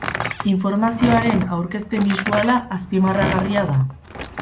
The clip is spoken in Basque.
Informazioaren aurkezpen bisuala azpimarragarria da.